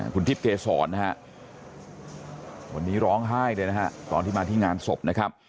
คุณทิพย์เกษรนะฮะวันนี้ร้องไห้เลยนะฮะตอนที่มาที่งานศพนะครับ